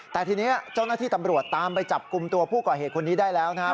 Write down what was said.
แต่ทีนี้เจ้าหน้าที่ตำรวจตามไปจับกลุ่มตัวผู้ก่อเหตุคนนี้ได้แล้วนะฮะ